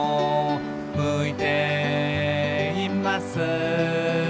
「向いています」